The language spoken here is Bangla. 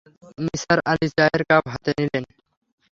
নিসার আলি চায়ের কাপ হতে নিলেন।